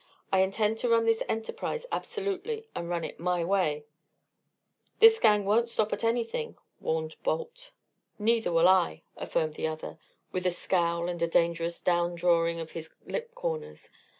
I intend to run this enterprise absolutely, and run it my way." "This gang won't stop at anything," warned Balt. "Neither will I," affirmed the other, with a scowl and a dangerous down drawing of his lip corners.